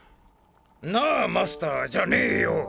「なぁマスター」じゃねぇよ。